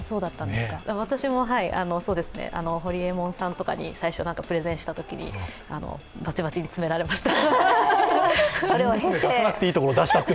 私もホリエモンさんとかに最初プレゼンしたときに、バッチバチに詰められました。